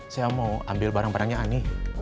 saya mau ambil barang barangnya aneh